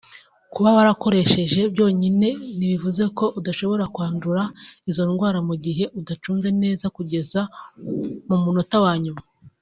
Kuba wagakoresheje byonyine ntibivuze ko udashobora kwandura izo ndwara mu gihe udacunze neza kugeza ku munota wa nyuma